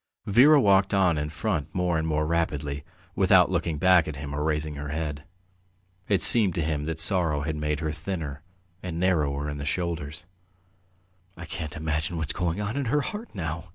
Vera walked on in front more and more rapidly, without looking back at him or raising her head. It seemed to him that sorrow had made her thinner and narrower in the shoulders. "I can imagine what's going on in her heart now!"